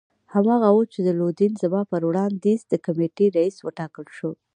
هماغه وو چې لودین زما په وړاندیز د کمېټې رییس وټاکل شو.